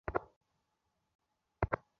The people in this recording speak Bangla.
এরপর আমরা সিদ্ধান্ত নিবো।